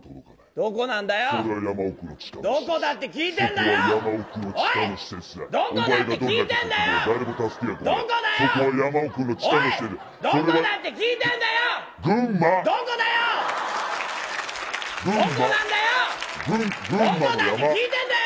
どこなんだって聞いてんだよ。